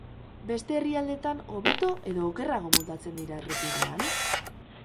Beste herrialdeetan hobeto edo okerrago moldatzen dira errepidean?